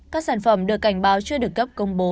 các sản phẩm được cảnh báo chưa được cấp công bố